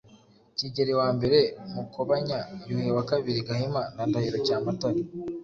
Kigeli wambere Mukobanya, Yuhi wa kabiri Gahima na Ndahiro Cyamatare.